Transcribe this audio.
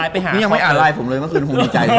คุณยังไม่อ่านไลน์ผมเลยเมื่อคืนผมมีใจด้วยนะ